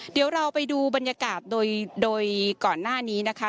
เดี๋ยวเราไปดูบรรยากาศโดยก่อนหน้านี้นะคะ